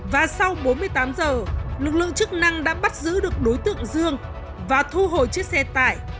và sau bốn mươi tám giờ lực lượng chức năng đã bắt giữ được đối tượng dương và thu hồi chiếc xe tải